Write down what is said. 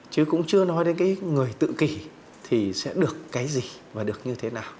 chứ cũng chưa nói đến cái người tự kỷ thì sẽ được cái gì và được như thế nào